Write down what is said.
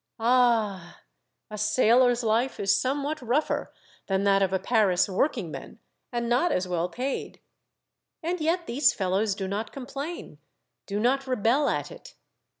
Ah ! a sailor's life is somewhat rougher than that of a Paris work' 190 Monday Tales, ing man, and not as well paid. And yet these fellows do not complain, do not rebel at it.